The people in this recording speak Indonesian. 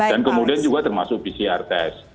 kemudian juga termasuk pcr test